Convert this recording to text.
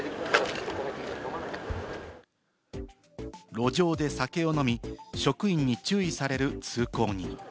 路上で酒を飲み、職員に注意をされる通行人。